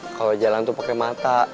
kalo jalan tuh pake mata